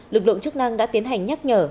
lực lượng chức năng đã tiến hành nhắc nhở